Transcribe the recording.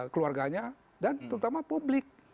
keluarganya dan terutama publik